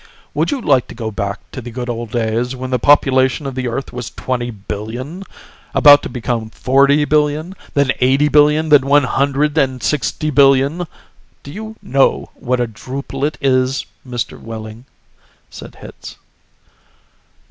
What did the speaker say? "Would you like to go back to the good old days, when the population of the Earth was twenty billion about to become forty billion, then eighty billion, then one hundred and sixty billion? Do you know what a drupelet is, Mr. Wehling?" said Hitz.